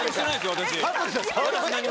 私。